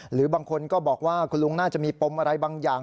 หรือบางคนก็บอกว่าคุณลุงน่าจะมีปมอะไรบางอย่าง